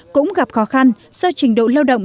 cũng gặp khó khăn do trình độ lao động